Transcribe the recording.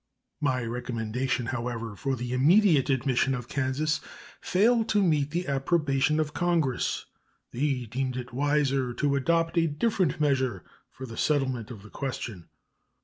My recommendation, however, for the immediate admission of Kansas failed to meet the approbation of Congress. They deemed it wiser to adopt a different measure for the settlement of the question.